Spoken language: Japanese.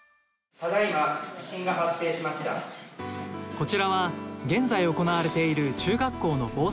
こちらは現在行われている中学校の防災訓練。